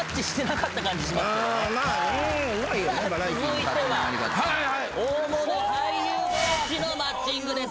続いては大物俳優同士のマッチングです。